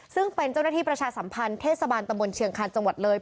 ซึ่งเป็นเจ้าหน้าที่ประชาสัมพันธ์เทศบาลตมเชียงคานจเลยย